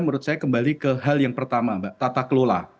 menurut saya kembali ke hal yang pertama mbak tata kelola